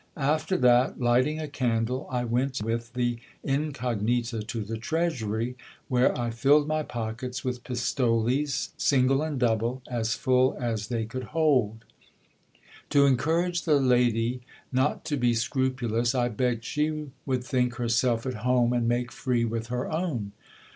After that, lighting a candle, I. went with the incognita to the treasury, where I filled my pockets with pistoles, single and double, as full as they could hold. To encourage the lady not to be scrupulous, I begged she would think herself at home, and make free with her own.